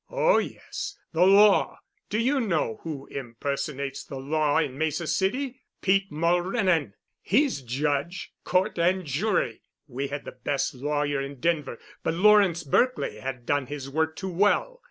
"Oh, yes. The Law! Do you know who impersonates the Law in Mesa City? Pete Mulrennan! He's judge, court, and jury. We had the best lawyer in Denver. But Lawrence Berkely had done his work too well.